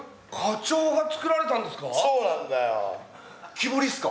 木彫りっすか？